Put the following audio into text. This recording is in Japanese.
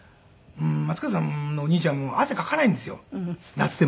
松方さんのお兄ちゃんも汗かかないんですよ夏でも。